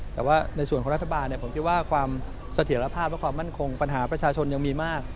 แต่ว่าในส่วนของรัฐบาลผมคิดว่าความเสถียรภาพและความมั่นคงปัญหาประชาชนยังมีมาก